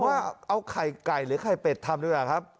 ว่าเอาไข่ไก่หรือไข่เป็ดทำดีกว่าครับ